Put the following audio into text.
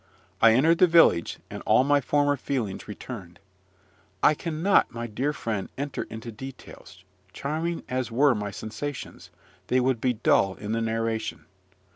I entered the village, and all my former feelings returned. I cannot, my dear friend, enter into details, charming as were my sensations: they would be dull in the narration.